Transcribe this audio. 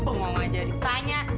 bungung aja ditanya